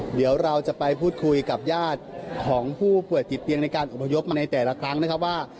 เดี๋ยวเราจะไปพูดคุยกับญาติของผู้ป่วยติดเตียงในการอพยพมาในแต่ละครั้งนะครับว่า